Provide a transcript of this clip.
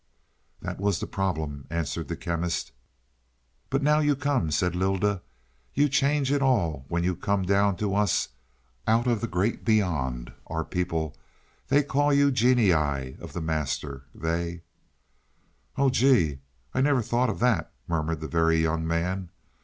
"That was the problem," answered the Chemist. "But now you come," said Lylda. "You change it all when you come down to us out of the great beyond. Our people, they call you genii of the Master, they " "Oh gee, I never thought of that," murmured the Very Young Man.